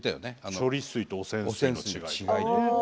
処理水と汚染水の違い。